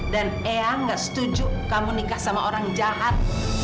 dan eang nggak setuju kamu nikah sama orang jahat